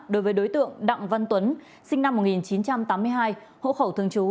đối với đối tượng đặng văn tuấn sinh năm một nghìn chín trăm tám mươi hai hộ khẩu thường trú